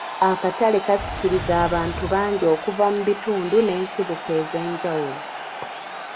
Akatale kasikiriza abantu bangi okuva mu bitundu n'esibuko ez'enjawulo